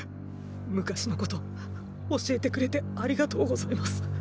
昔のこと教えてくれてありがとうございます。